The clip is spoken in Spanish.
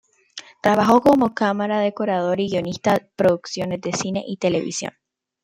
Trabajó como cámara, decorador y guionista de producciones de cine y televisión.